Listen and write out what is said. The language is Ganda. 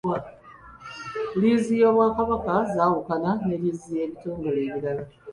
Liizi z’Obwakabaka zaawukana ne liizi z'ebitongole ebirala.